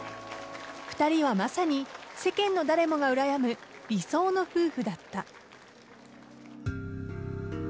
２人はまさに世間の誰もがうらやむ理想の夫婦だった。